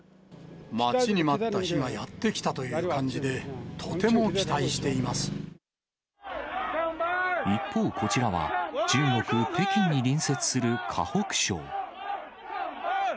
待ちに待った日がやって来たという感じで、とても期待してい一方、こちらは中国・北京に隣接する河北省。